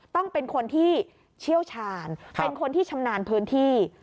ต้องเป็นคนที่เชี่ยวชาญเป็นคนที่ชำนาญพื้นที่